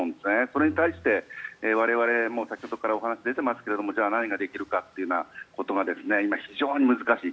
それに対して我々も先ほどからお話が出ていますがじゃあ何ができるかということが今、非常に難しい。